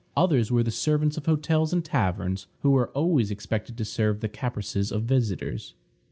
Others were the servants of hotels and taverns, who were always expected to serve the caprices of visitors.